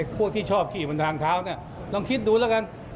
พวกที่ชอบขี่บนทางเท้าเนี่ยลองคิดดูแล้วกัน